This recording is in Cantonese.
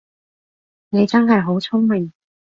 你真係好聰明